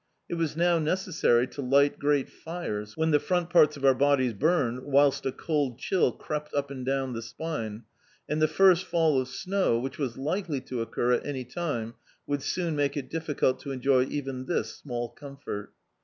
It was now necessary to light great fires, when the front parts of our bodies burned whilst a cold chill crept up and down the spine; and the first fall of snow, which was likely to occur at any time, would soon make it difficult to enjoy even this small comfort.